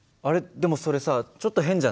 でもそれさちょっと変じゃない？